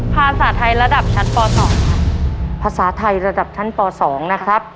ภาษาไทยระดับชั้นป๒ครับ